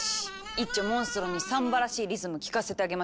いっちょモンストロにサンバらしいリズム聴かせてあげましょ。